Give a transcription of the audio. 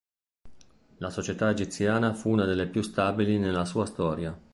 La società egiziana fu una delle più stabili nella sua storia.